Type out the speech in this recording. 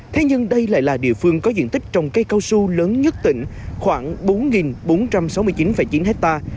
thế nhưng đây lại là địa phương có diện tích trồng cây cao su lớn nhất tỉnh khoảng bốn bốn trăm sáu mươi chín chín ha